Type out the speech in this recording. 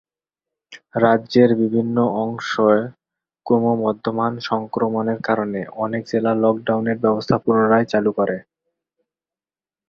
রাজ্যের বিভিন্ন অংশে ক্রমবর্ধমান সংক্রমণের কারণে, অনেক জেলা লকডাউন ব্যবস্থা পুনরায় চালু করে।